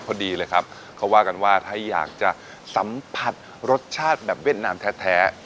พอดีเลยครับเขาว่ากันว่าถ้าอยากจะสัมผัสรสชาติแบบเวียดนามแท้